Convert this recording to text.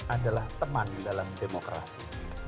adalah teman dalam demokrasi